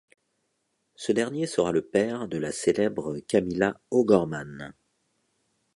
Ce dernier sera le père de la célèbre Camila O'Gorman.